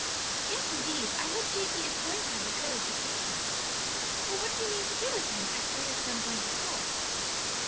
"Yes, indeed; I hope Jakey is going to have a good education. But what do you mean to do with him after he is done going to school?"